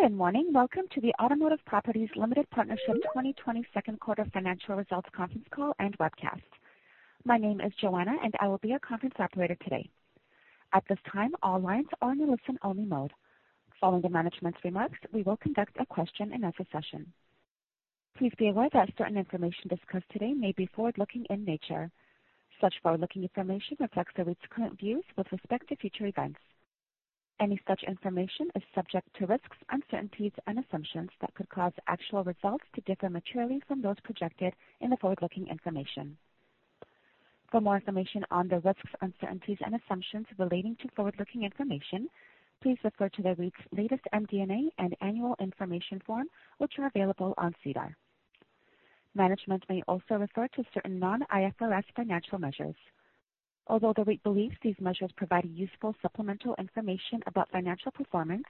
Good morning. Welcome to the Automotive Properties Limited Partnership 2020 second quarter financial results conference call and webcast. My name is [Joanna] and I will be your conference operator today. At this time, all lines are in listen-only mode. Following the management's remarks, we will conduct a question and answer session. Please be aware that certain information discussed today may be forward-looking in nature. Such forward-looking information reflects the REIT's current views with respect to future events. Any such information is subject to risks, uncertainties, and assumptions that could cause actual results to differ materially from those projected in the forward-looking information. For more information on the risks, uncertainties, and assumptions relating to forward-looking information, please refer to the REIT's latest MD&A and annual information form, which are available on SEDAR. Management may also refer to certain non-IFRS financial measures. Although the REIT believes these measures provide useful supplemental information about financial performance,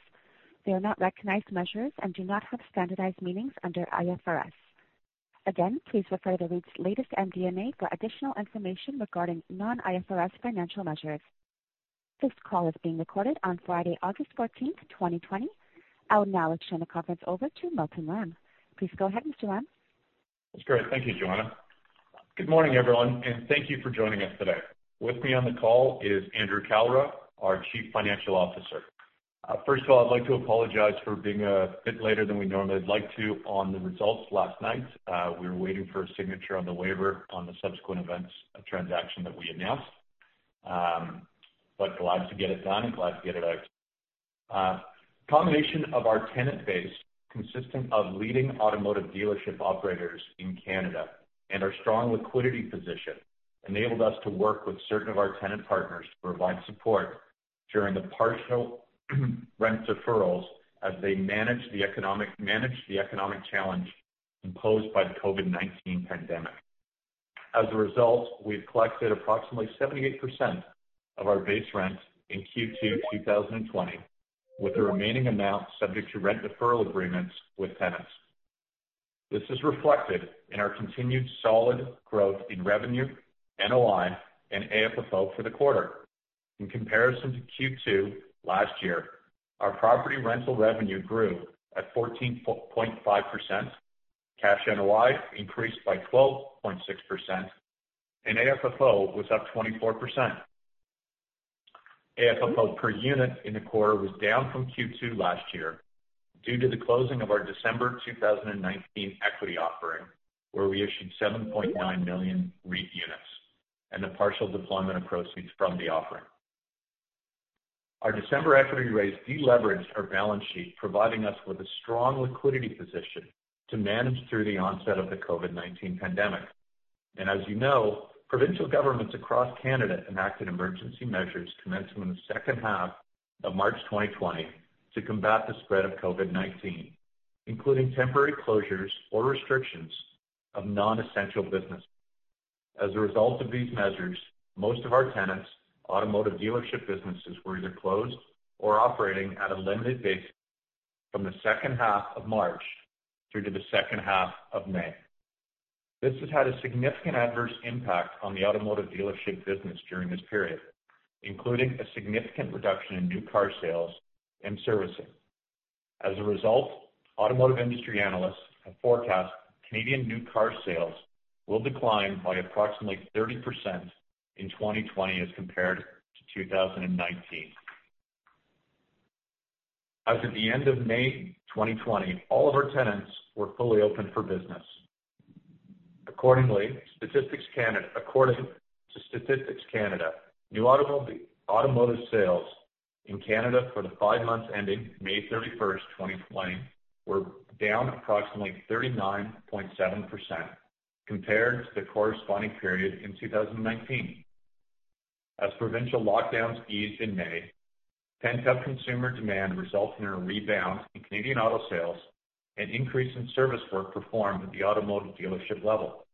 they are not recognized measures and do not have standardized meanings under IFRS. Please refer to the REIT's latest MD&A for additional information regarding non-IFRS financial measures. This call is being recorded on Friday, August 14th, 2020. I will now turn the conference over to Milton Lamb. Please go ahead, Mr. Lamb. That's great. Thank you, Joanna. Good morning, everyone, and thank you for joining us today. With me on the call is Andrew Kalra, our Chief Financial Officer. First of all, I'd like to apologize for being a bit later than we normally like to on the results last night. We were waiting for a signature on the waiver on the subsequent events transaction that we announced. Glad to get it done and glad to get it out. Combination of our tenant base consisting of leading automotive dealership operators in Canada and our strong liquidity position enabled us to work with certain of our tenant partners to provide support during the partial rent deferrals as they manage the economic challenge imposed by the COVID-19 pandemic. As a result, we've collected approximately 78% of our base rent in Q2 2020, with the remaining amount subject to rent deferral agreements with tenants. This is reflected in our continued solid growth in revenue, NOI, and AFFO for the quarter. In comparison to Q2 last year, our property rental revenue grew at 14.5%, Cash NOI increased by 12.6%, and AFFO was up 24%. AFFO per unit in the quarter was down from Q2 last year due to the closing of our December 2019 equity offering, where we issued 7.9 million REIT units and the partial deployment of proceeds from the offering. Our December equity raise de-leveraged our balance sheet, providing us with a strong liquidity position to manage through the onset of the COVID-19 pandemic. As you know, provincial governments across Canada enacted emergency measures commencement of second half of March 2020 to combat the spread of COVID-19, including temporary closures or restrictions of non-essential business. As a result of these measures, most of our tenants' automotive dealership businesses were either closed or operating at a limited basis from the second half of March through to the second half of May. This has had a significant adverse impact on the automotive dealership business during this period, including a significant reduction in new car sales and servicing. As a result, automotive industry analysts have forecast Canadian new car sales will decline by approximately 30% in 2020 as compared to 2019. As of the end of May 2020, all of our tenants were fully open for business. According to Statistics Canada, new automotive sales in Canada for the five months ending May 31st, 2020, were down approximately 39.7% compared to the corresponding period in 2019. As provincial lockdowns eased in May, pent-up consumer demand resulted in a rebound in Canadian auto sales and increase in service work performed at the automotive dealership level.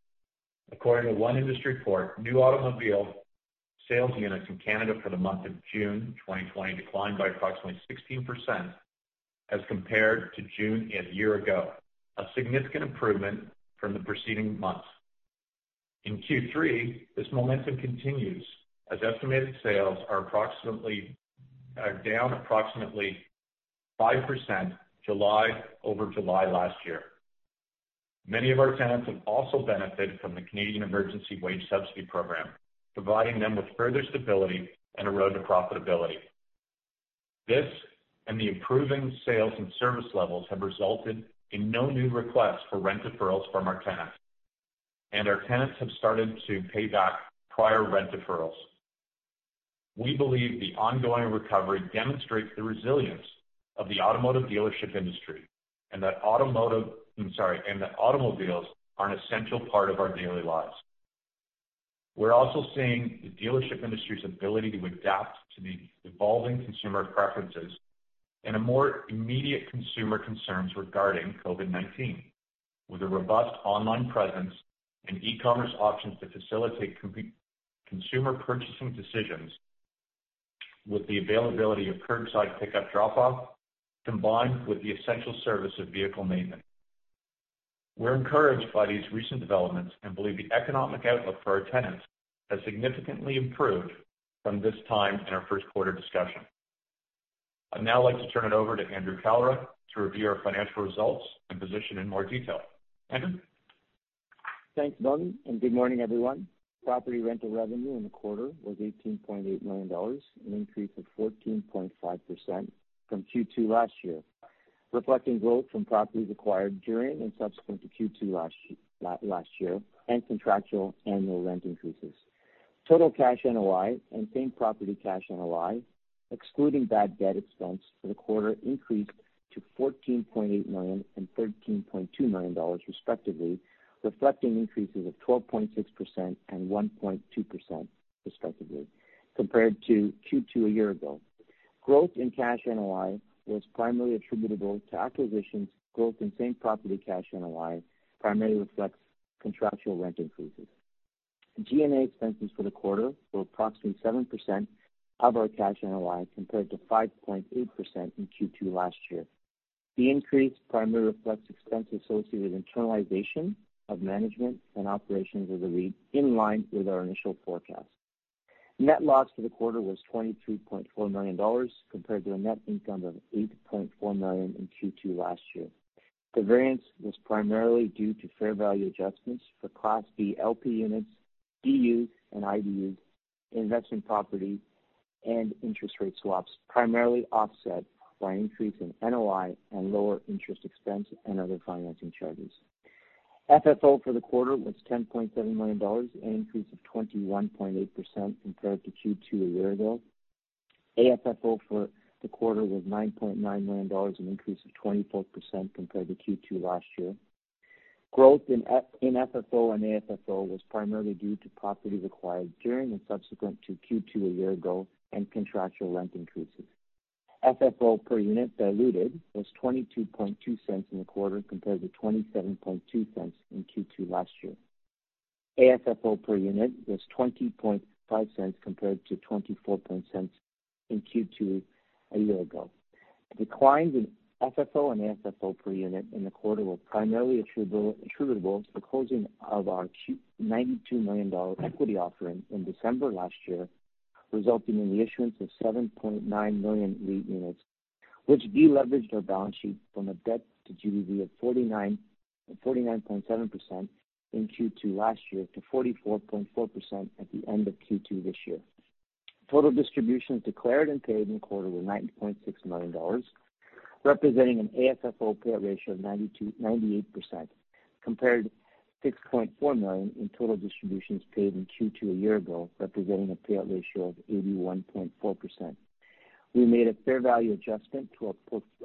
According to one industry report, new automobile sales units in Canada for the month of June 2020 declined by approximately 16% as compared to June a year ago, a significant improvement from the preceding months. In Q3, this momentum continues as estimated sales are down approximately 5% July over July last year. Many of our tenants have also benefited from the Canada Emergency Wage Subsidy program, providing them with further stability and a road to profitability. This and the improving sales and service levels have resulted in no new requests for rent deferrals from our tenants, and our tenants have started to pay back prior rent deferrals. We believe the ongoing recovery demonstrates the resilience of the automotive dealership industry and that automobiles are an essential part of our daily lives. We're also seeing the dealership industry's ability to adapt to the evolving consumer preferences and a more immediate consumer concerns regarding COVID-19 with a robust online presence and e-commerce options to facilitate consumer purchasing decisions with the availability of curbside pickup drop-off, combined with the essential service of vehicle maintenance. We're encouraged by these recent developments and believe the economic outlook for our tenants has significantly improved from this time in our first quarter discussion. I'd now like to turn it over to Andrew Kalra to review our financial results and position in more detail. Andrew? Thanks, Milton, and good morning, everyone. Property rental revenue in the quarter was 18.8 million dollars, an increase of 14.5% from Q2 last year, reflecting growth from properties acquired during and subsequent to Q2 last year and contractual annual rent increases. Total Cash NOI and Same Property Cash NOI, excluding bad debt expense for the quarter, increased to 14.8 million and 13.2 million dollars respectively, reflecting increases of 12.6% and 1.2% respectively, compared to Q2 a year ago. Growth in Cash NOI was primarily attributable to acquisitions. Growth in Same Property Cash NOI primarily reflects contractual rent increases. G&A expenses for the quarter were approximately 7% of our Cash NOI, compared to 5.8% in Q2 last year. The increase primarily reflects expense associated with internalization of management and operations of the REIT, in line with our initial forecast. Net loss for the quarter was 23.4 million dollars, compared to a net income of 8.4 million in Q2 last year. The variance was primarily due to fair value adjustments for Class B LP units, DUs, and IDUs, investment property, and interest rate swaps, primarily offset by an increase in NOI and lower interest expense and other financing charges. FFO for the quarter was 10.7 million dollars, an increase of 21.8% compared to Q2 a year ago. AFFO for the quarter was 9.9 million dollars, an increase of 24% compared to Q2 last year. Growth in FFO and AFFO was primarily due to properties acquired during and subsequent to Q2 a year ago and contractual rent increases. FFO per unit diluted was 0.222 in the quarter, compared to 0.272 in Q2 last year. AFFO per unit was 0.205, compared to 0.245 in Q2 a year ago. The decline in FFO and AFFO per unit in the quarter was primarily attributable to the closing of our 92 million dollar equity offering in December last year, resulting in the issuance of 7.9 million REIT units, which de-leveraged our balance sheet from a debt to GBV of 49.7% in Q2 last year to 44.4% at the end of Q2 this year. Total distributions declared and paid in the quarter were 9.6 million dollars, representing an AFFO payout ratio of 98%, compared to 6.4 million in total distributions paid in Q2 a year ago, representing a payout ratio of 81.4%. We made a fair value adjustment to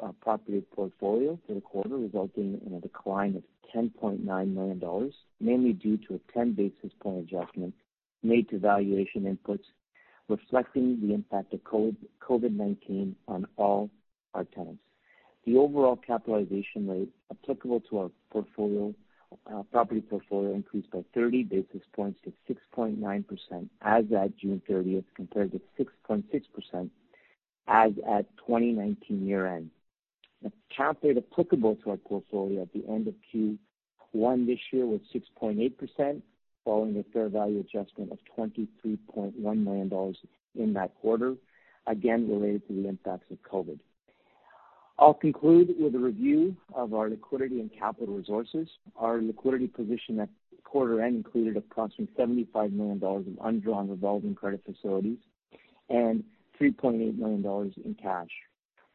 our property portfolio for the quarter, resulting in a decline of 10.9 million dollars, mainly due to a 10 basis points adjustment made to valuation inputs, reflecting the impact of COVID-19 on all our tenants. The overall capitalization rate applicable to our property portfolio increased by 30 basis points to 6.9% as at June 30th, compared to 6.6% as at 2019 year-end. The cap rate applicable to our portfolio at the end of Q1 this year was 6.8%, following a fair value adjustment of 23.1 million dollars in that quarter, again related to the impacts of COVID. I'll conclude with a review of our liquidity and capital resources. Our liquidity position at quarter end included approximately 75 million dollars of undrawn revolving credit facilities and 3.8 million dollars in cash.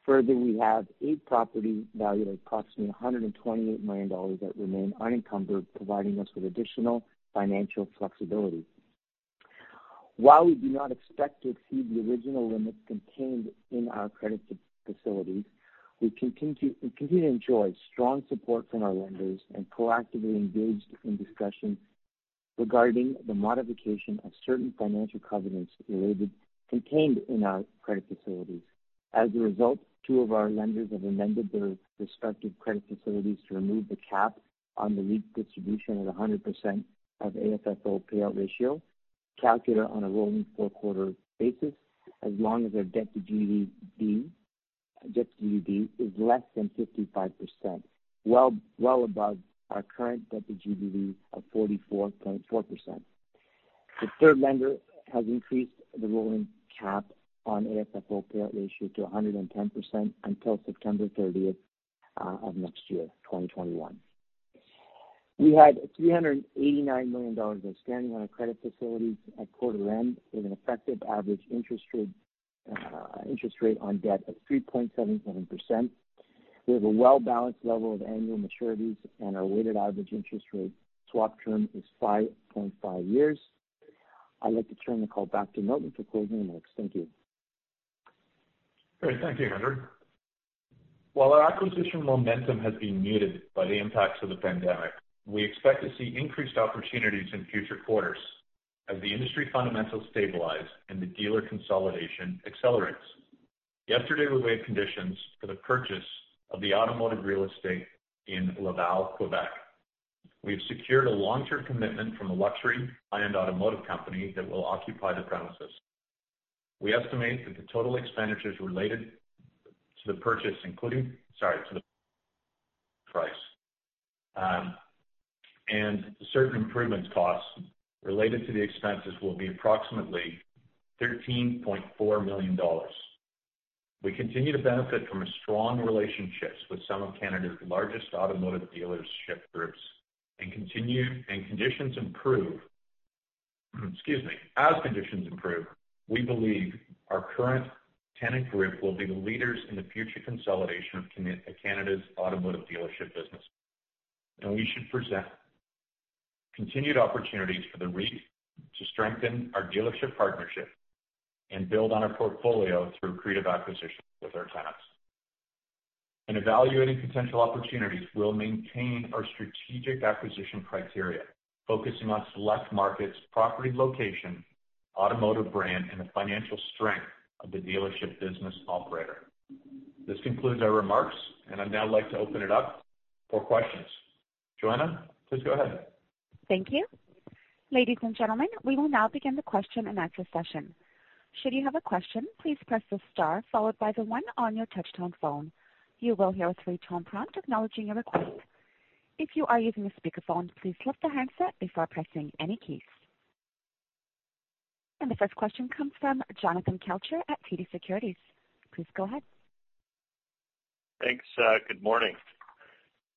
Further, we have eight properties valued at approximately 128 million dollars that remain unencumbered, providing us with additional financial flexibility. While we do not expect to exceed the original limits contained in our credit facilities, we continue to enjoy strong support from our lenders and proactively engaged in discussions regarding the modification of certain financial covenants related contained in our credit facilities. As a result, two of our lenders have amended their respective credit facilities to remove the cap on the REIT distribution at 100% of AFFO payout ratio, calculated on a rolling four-quarter basis, as long as our debt to GBV is less than 55%, well above our current debt to GBV of 44.4%. The third lender has increased the rolling cap on AFFO payout ratio to 110% until September 30th of next year, 2021. We had 389 million dollars outstanding on our credit facilities at quarter end, with an effective average interest rate on debt of 3.77%. We have a well-balanced level of annual maturities and our weighted average interest rate swap term is 5.5 years. I'd like to turn the call back to Milton for closing remarks. Thank you. Great. Thank you, Andrew. While our acquisition momentum has been muted by the impacts of the pandemic, we expect to see increased opportunities in future quarters as the industry fundamentals stabilize and the dealer consolidation accelerates. Yesterday, we waived conditions for the purchase of the automotive real estate in Laval, Quebec. We've secured a long-term commitment from a luxury high-end automotive company that will occupy the premises. We estimate that the total expenditures related to the purchase, including, sorry, to the price, and certain improvements costs related to the expenses will be approximately 13.4 million dollars. We continue to benefit from strong relationships with some of Canada's largest automotive dealership groups. As conditions improve, we believe our current tenant group will be the leaders in the future consolidation of Canada's automotive dealership business. We should present continued opportunities for the REIT to strengthen our dealership partnership and build on our portfolio through accretive acquisitions with our tenants. In evaluating potential opportunities, we'll maintain our strategic acquisition criteria, focusing on select markets, property location, automotive brand, and the financial strength of the dealership business operator. This concludes our remarks, and I'd now like to open it up for questions. [Joanna], please go ahead. Thank you. Ladies and gentlemen, we will now begin the question and answer session. Should you have a question, please press the star followed by the one on your touchtone phone. You will hear a three-tone prompt acknowledging your request. If you are using a speakerphone, please lift the handset before pressing any keys. The first question comes from Jonathan Kelcher at TD Securities. Please go ahead. Thanks. Good morning.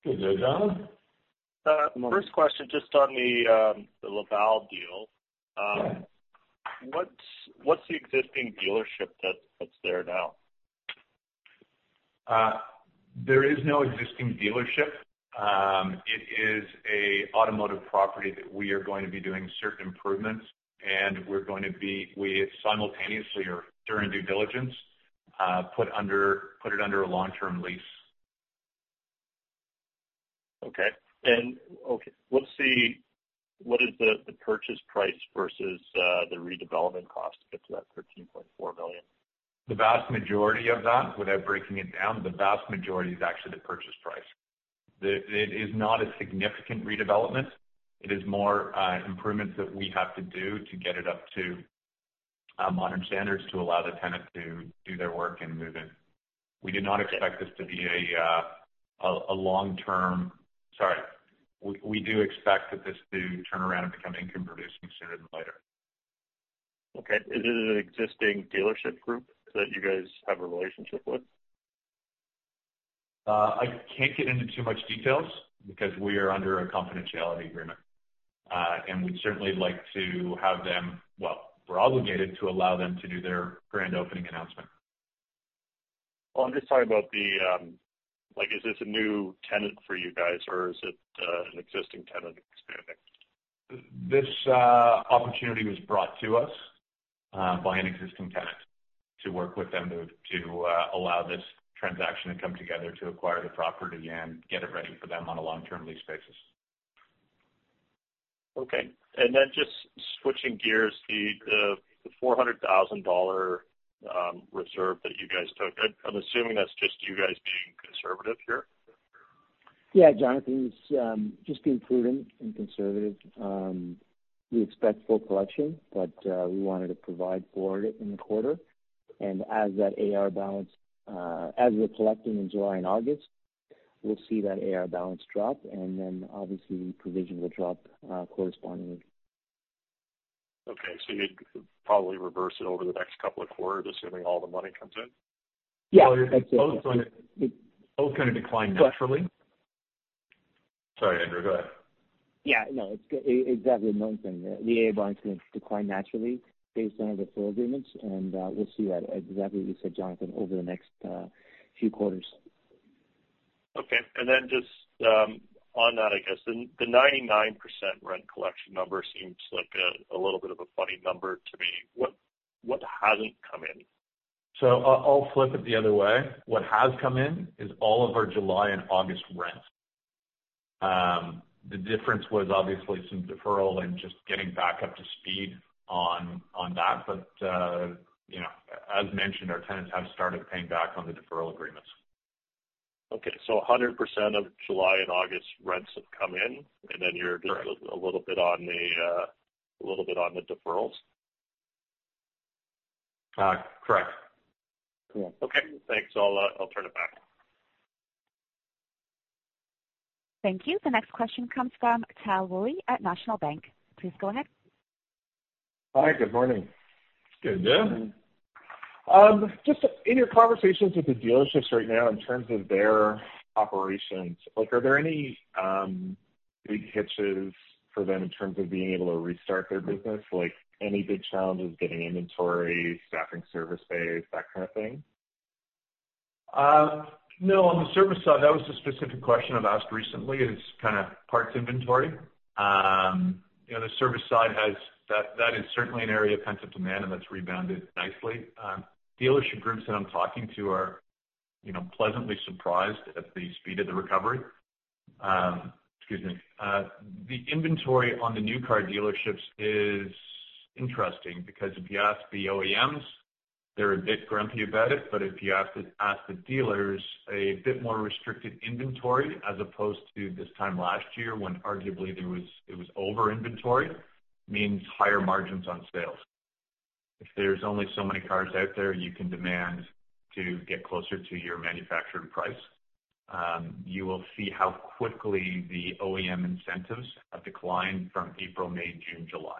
Good day, Jon. First question, just on the Laval deal. Yeah. What's the existing dealership that's there now? There is no existing dealership. It is a automotive property that we are going to be doing certain improvements, and we simultaneously or during due diligence, put it under a long-term lease. Okay. Okay, let's see. What is the purchase price versus the redevelopment cost to get to that 13.4 million? The vast majority of that, without breaking it down, the vast majority is actually the purchase price. It is not a significant redevelopment. It is more improvements that we have to do to get it up to modern standards to allow the tenant to do their work and move in. We do expect that this to turn around and become income producing sooner than later. Okay. Is it an existing dealership group that you guys have a relationship with? I can't get into too much details because we are under a confidentiality agreement. We'd certainly like to have them- well, we're obligated to allow them to do their grand opening announcement. I'm just talking about the, like is this a new tenant for you guys, or is it an existing tenant expanding? This opportunity was brought to us by an existing tenant to work with them to allow this transaction to come together to acquire the property and get it ready for them on a long-term lease basis. Okay. Just switching gears, the 400,000 dollar reserve that you guys took. I'm assuming that's just you guys being conservative here? Yeah, Jonathan, it's just being prudent and conservative. We expect full collection, but we wanted to provide for it in the quarter. As that AR balance, as we're collecting in July and August, we'll see that AR balance drop, and then obviously the provision will drop correspondingly. Okay. you'd probably reverse it over the next couple of quarters, assuming all the money comes in? Yeah. Both going to decline naturally. Sorry, Andrew. Go ahead. No. Exactly, one thing. The AR balance is going to decline naturally based on the sale agreements, and we'll see that, exactly what you said, Jonathan, over the next few quarters. Okay. Just on that, I guess the 99% rent collection number seems like a little bit of a funny number to me. What hasn't come in? I'll flip it the other way. What has come in is all of our July and August rent. The difference was obviously some deferral and just getting back up to speed on that. As mentioned, our tenants have started paying back on the deferral agreements. Okay. 100% of July and August rents have come in. Correct A little bit on the deferrals? Correct. Yeah. Okay. Thanks. I'll turn it back. Thank you. The next question comes from Tal Woolley at National Bank. Please go ahead. Hi. Good morning. Good day. Just in your conversations with the dealerships right now in terms of their operations, are there any big hitches for them in terms of being able to restart their business? Like any big challenges getting inventory, staffing service bays, that kind of thing? No. On the service side, that was a specific question I've asked recently, is kind of parts inventory. That is certainly an area of pent-up demand and that's rebounded nicely. Dealership groups that I'm talking to are pleasantly surprised at the speed of the recovery. Excuse me. The inventory on the new car dealerships is interesting because if you ask the OEMs, they're a bit grumpy about it, but if you ask the dealers, a bit more restricted inventory as opposed to this time last year, when arguably it was over inventory, means higher margins on sales. If there's only so many cars out there, you can demand to get closer to your manufacturing price. You will see how quickly the OEM incentives have declined from April, May, June, July.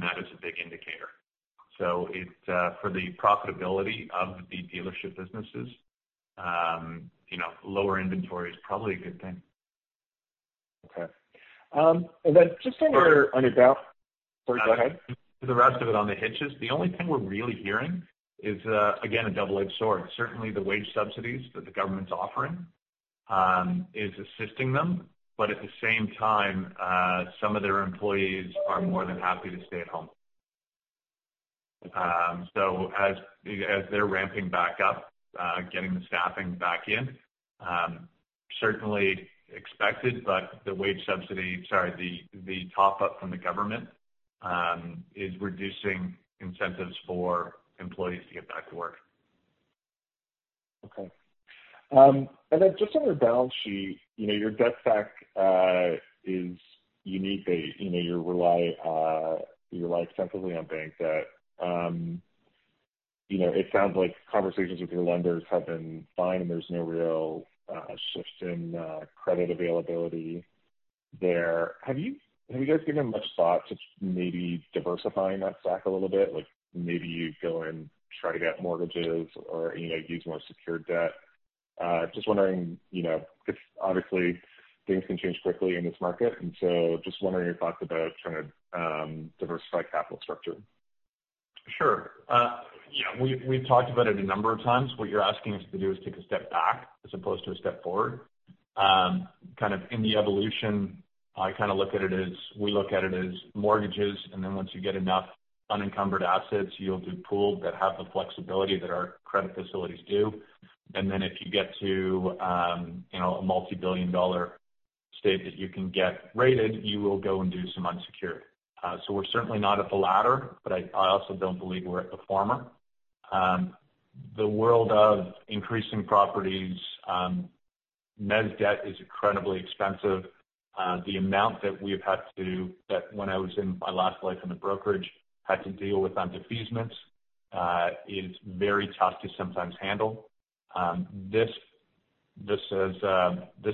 That is a big indicator. For the profitability of the dealership businesses, lower inventory is probably a good thing. Okay. Sorry, go ahead. The rest of it on the hitches, the only thing we're really hearing is, again, a double-edged sword. Certainly, the wage subsidies that the government's offering is assisting them. At the same time, some of their employees are more than happy to stay at home. As they're ramping back up, getting the staffing back in, certainly expected, but the top-up from the government is reducing incentives for employees to get back to work. Okay. Just on your balance sheet, your debt stack is unique. You rely extensively on bank debt. It sounds like conversations with your lenders have been fine, and there's no real shift in credit availability there. Have you guys given much thought to maybe diversifying that stack a little bit? Like maybe you go and try to get mortgages or use more secured debt. Just wondering, because obviously things can change quickly in this market, just wondering your thoughts about trying to diversify capital structure. Sure. We've talked about it a number of times. What you're asking us to do is take a step back as opposed to a step forward. Kind of in the evolution, we look at it as mortgages, and then once you get enough unencumbered assets, you'll do pool that have the flexibility that our credit facilities do. If you get to a multi-billion-dollar state that you can get rated, you will go and do some unsecured. We're certainly not at the latter, but I also don't believe we're at the former. The world of increasing properties, mezz debt is incredibly expensive. The amount that we have had to, when I was in my last life in the brokerage, had to deal with on defeasance, is very tough to sometimes handle. This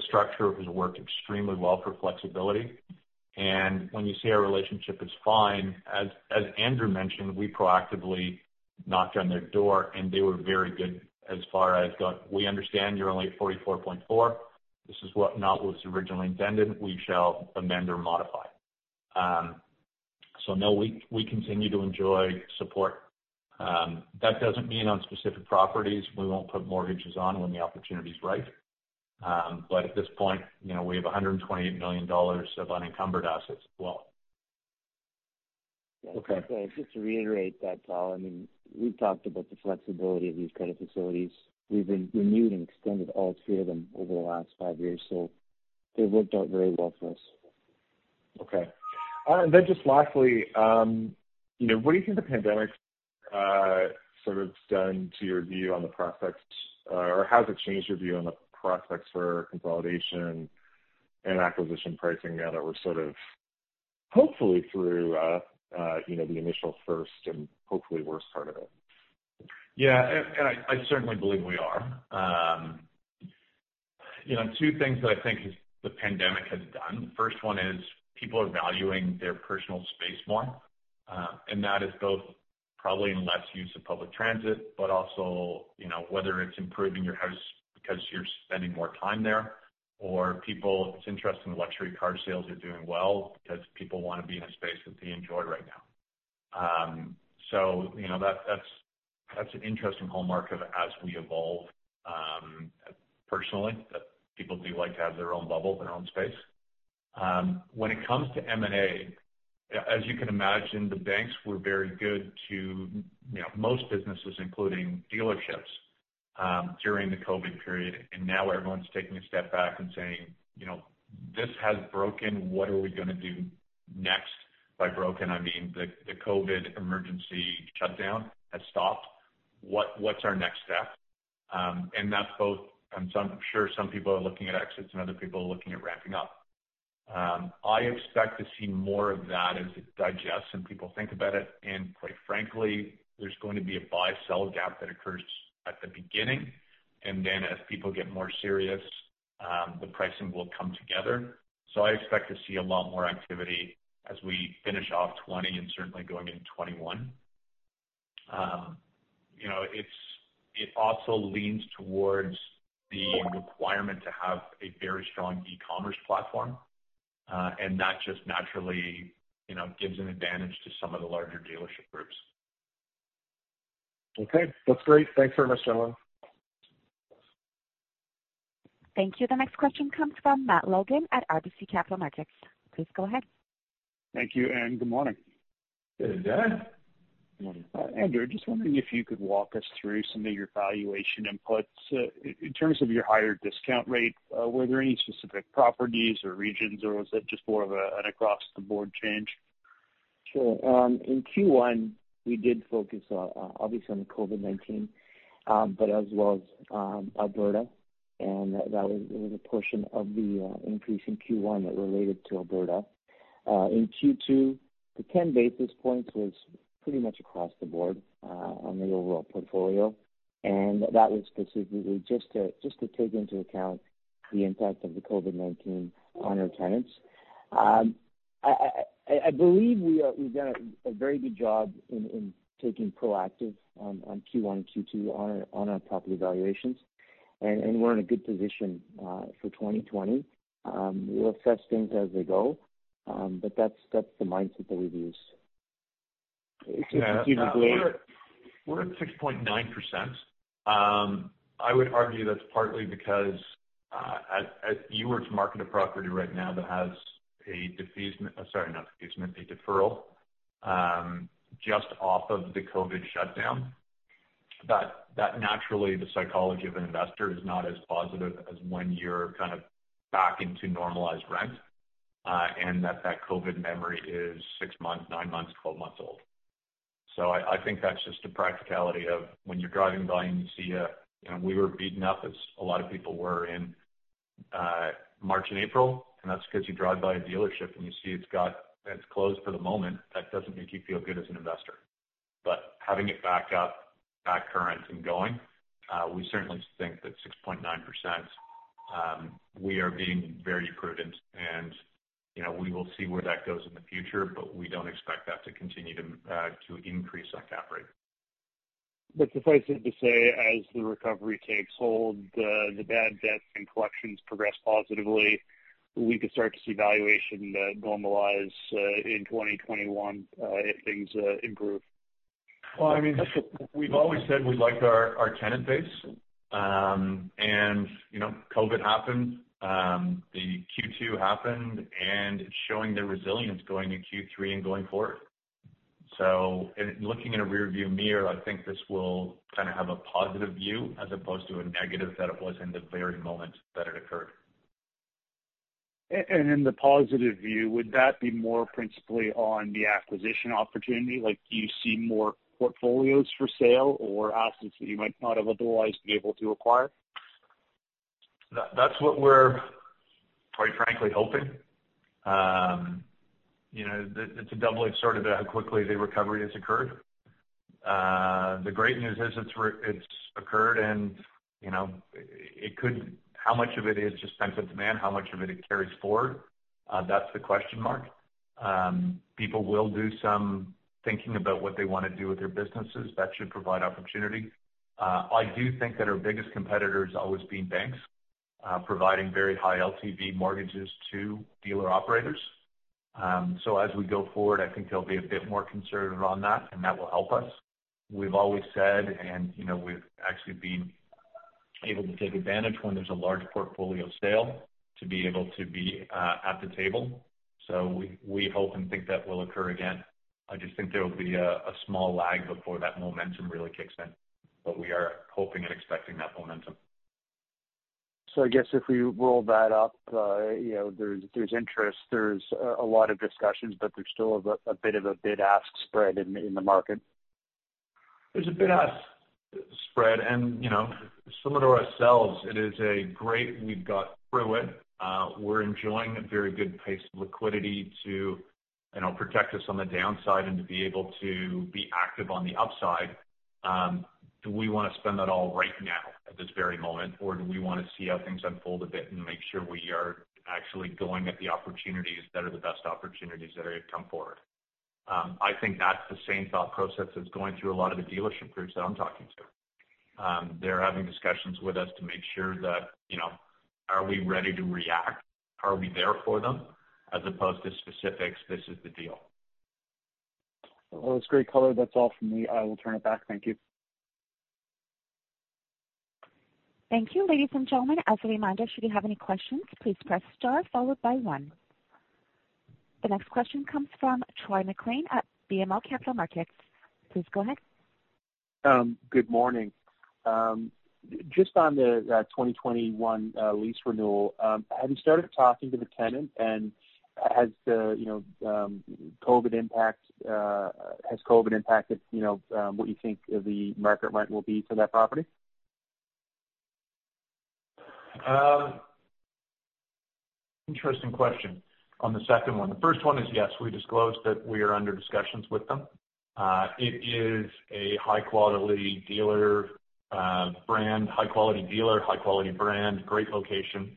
structure has worked extremely well for flexibility. When you say our relationship is fine, as Andrew mentioned, we proactively knocked on their door, and they were very good as far as going, "We understand you're only at 44.4. This is not what was originally intended. We shall amend or modify." No, we continue to enjoy support. That doesn't mean on specific properties, we won't put mortgages on when the opportunity's right. At this point, we have 128 million dollars of unencumbered assets as well. Okay. Just to reiterate that, Tal, we've talked about the flexibility of these credit facilities. We've renewed and extended all three of them over the last five years. They've worked out very well for us. Okay. Just lastly, what do you think the pandemic sort of has done to your view on the prospects, or how has it changed your view on the prospects for consolidation and acquisition pricing now that we're sort of, hopefully through the initial first and hopefully worst part of it? Yeah. I certainly believe we are. Two things that I think the pandemic has done. First one is people are valuing their personal space more, and that is both probably in less use of public transit, but also whether it's improving your house because you're spending more time there, or it's interesting luxury car sales are doing well because people want to be in a space that they enjoy right now. That's an interesting hallmark of as we evolve, personally, that people do like to have their own bubble, their own space. When it comes to M&A, as you can imagine, the banks were very good to most businesses, including dealerships, during the COVID-19 period. Now everyone's taking a step back and saying, "This has broken. What are we going to do next?" By broken, I mean the COVID-19 emergency shutdown has stopped. What's our next step? That's both, I'm sure some people are looking at exits and other people are looking at ramping up. I expect to see more of that as it digests and people think about it. Quite frankly, there's going to be a buy/sell gap that occurs at the beginning, and then as people get more serious, the pricing will come together. I expect to see a lot more activity as we finish off 2020 and certainly going into 2021. It also leans towards the requirement to have a very strong e-commerce platform, and that just naturally gives an advantage to some of the larger dealership groups. Okay. That's great. Thanks very much, gentlemen. Thank you. The next question comes from Matt Logan at RBC Capital Markets. Please go ahead. Thank you, and good morning. Good day. Morning. Andrew, just wondering if you could walk us through some of your valuation inputs? In terms of your higher discount rate, were there any specific properties or regions, or was it just more of an across-the-board change? Sure. In Q1, we did focus, obviously, on COVID-19, but as well as Alberta. There was a portion of the increase in Q1 that related to Alberta. In Q2, the 10 basis points was pretty much across the board on the overall portfolio. That was specifically just to take into account the impact of the COVID-19 on our tenants. I believe we've done a very good job in taking proactive on Q1 and Q2 on our property valuations. We're in a good position for 2020. We'll assess things as they go. That's the mindset that we've used. Yeah. We're at 6.9%. I would argue that's partly because as you were to market a property right now that has a deferral, just off of the COVID-19 shutdown, that naturally the psychology of an investor is not as positive as when you're kind of back into normalized rent, and that COVID-19 memory is six months, nine months, 12 months old. I think that's just a practicality of when you're driving by and you see. We were beaten up as a lot of people were in March and April, and that's because you drive by a dealership and you see it's closed for the moment. That doesn't make you feel good as an investor. Having it back up, back current and going, we certainly think that 6.9%, we are being very prudent and we will see where that goes in the future. We don't expect that to continue to increase our cap rate. Suffice it to say, as the recovery takes hold, the bad debts and collections progress positively, we could start to see valuation normalize in 2021 if things improve. Well, we've always said we liked our tenant base. COVID happened. The Q2 happened, and it's showing their resilience going to Q3 and going forward. Looking in a rearview mirror, I think this will kind of have a positive view as opposed to a negative that it was in the very moment that it occurred. In the positive view, would that be more principally on the acquisition opportunity? Do you see more portfolios for sale or assets that you might not have otherwise be able to acquire? That's what we're quite frankly hoping. To double it sort of how quickly the recovery has occurred. The great news is it's occurred and how much of it is just pent-up demand? How much of it carries forward? That's the question mark. People will do some thinking about what they want to do with their businesses. That should provide opportunity. I do think that our biggest competitor has always been banks providing very high LTV mortgages to dealer operators. As we go forward, I think they'll be a bit more conservative on that, and that will help us. We've always said, and we've actually been able to take advantage when there's a large portfolio sale to be able to be at the table. We hope and think that will occur again. I just think there will be a small lag before that momentum really kicks in. We are hoping and expecting that momentum. I guess if we roll that up, there's interest, there's a lot of discussions, but there's still a bit of a bid-ask spread in the market. There's a bid-ask spread and similar to ourselves, it is a great we've got through it. We're enjoying a very good pace of liquidity to protect us on the downside and to be able to be active on the upside. Do we want to spend that all right now at this very moment, or do we want to see how things unfold a bit and make sure we are actually going at the opportunities that are the best opportunities that have come forward? I think that's the same thought process that's going through a lot of the dealership groups that I'm talking to. They're having discussions with us to make sure that are we ready to react? Are we there for them as opposed to specifics, this is the deal. Well, that's great color. That's all from me. I will turn it back. Thank you. Thank you. Ladies and gentlemen, as a reminder, should you have any questions, please press star followed by one. The next question comes from Troy MacLean at BMO Capital Markets. Please go ahead. Good morning. Just on the 2021 lease renewal, have you started talking to the tenant and has COVID impacted what you think the market rent will be for that property? Interesting question on the second one. The first one is yes, we disclosed that we are under discussions with them. It is a high-quality dealer brand, high-quality dealer, high-quality brand, great location.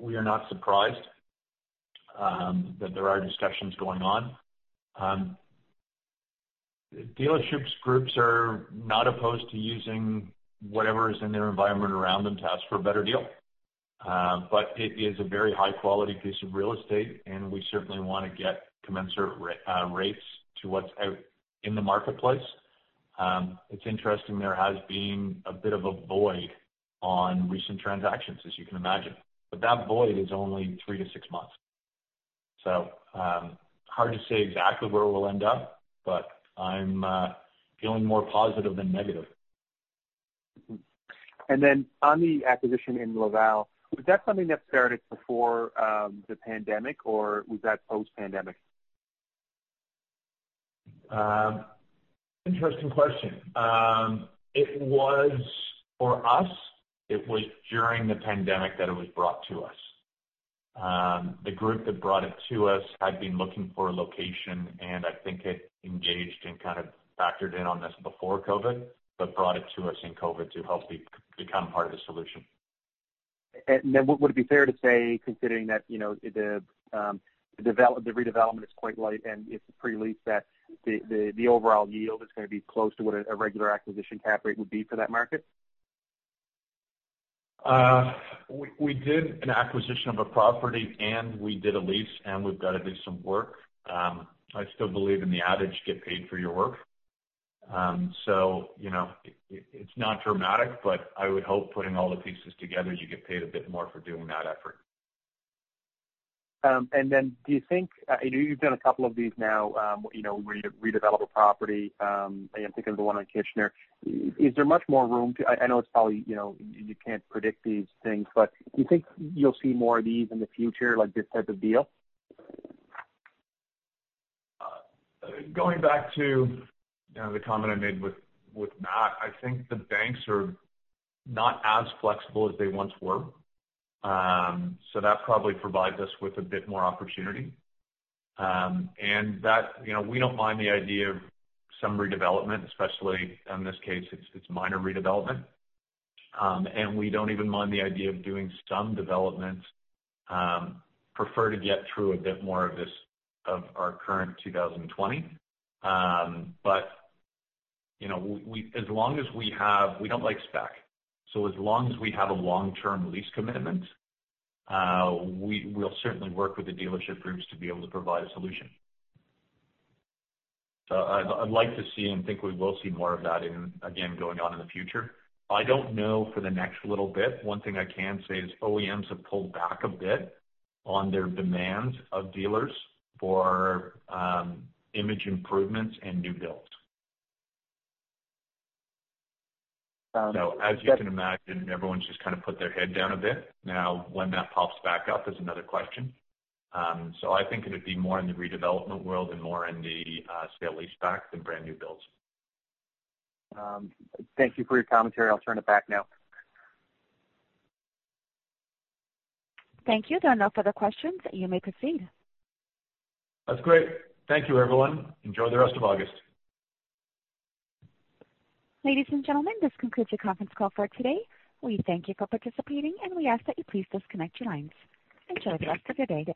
We are not surprised that there are discussions going on. Dealerships groups are not opposed to using whatever is in their environment around them to ask for a better deal. It is a very high-quality piece of real estate, and we certainly want to get commensurate rates to what's out in the marketplace. It's interesting, there has been a bit of a void on recent transactions, as you can imagine. That void is only three to six months. Hard to say exactly where we'll end up, but I'm feeling more positive than negative. On the acquisition in Laval, was that something that started before the pandemic or was that post-pandemic? Interesting question. For us, it was during the pandemic that it was brought to us. The group that brought it to us had been looking for a location, and I think it engaged and kind of factored in on this before COVID, but brought it to us in COVID to help become part of the solution. Would it be fair to say, considering that the redevelopment is quite light and it's a pre-lease, that the overall yield is going to be close to what a regular acquisition cap rate would be for that market? We did an acquisition of a property, and we did a lease, and we've got to do some work. I still believe in the adage, get paid for your work. It's not dramatic, but I would hope putting all the pieces together, you get paid a bit more for doing that effort. Do you think, I know you've done a couple of these now, where you redevelop a property. I'm thinking of the one on Kitchener. Is there much more room to I know you can't predict these things, but do you think you'll see more of these in the future, like this type of deal? Going back to the comment I made with Matt, I think the banks are not as flexible as they once were. That probably provides us with a bit more opportunity. We don't mind the idea of some redevelopment, especially in this case, it's minor redevelopment. We don't even mind the idea of doing some development. Prefer to get through a bit more of our current 2020. We don't like spec. As long as we have a long-term lease commitment, we'll certainly work with the dealership groups to be able to provide a solution. I'd like to see and think we will see more of that, again, going on in the future. I don't know for the next little bit. One thing I can say is OEMs have pulled back a bit on their demands of dealers for image improvements and new builds. As you can imagine, everyone's just kind of put their head down a bit. Now, when that pops back up is another question. I think it would be more in the redevelopment world and more in the sale leaseback than brand new builds. Thank you for your commentary. I'll turn it back now. Thank you. There are no further questions. You may proceed. That's great. Thank you, everyone. Enjoy the rest of August. Ladies and gentlemen, this concludes your conference call for today. We thank you for participating, and we ask that you please disconnect your lines. Enjoy the rest of your day.